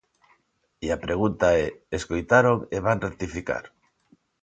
E a pregunta é, ¿escoitaron e van rectificar?